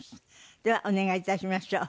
ではお願い致しましょう。